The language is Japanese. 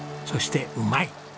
そしてうまい！